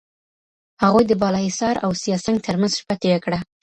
هغوی د بالاحصار او سیاه سنگ ترمنځ شپه تېره کړه.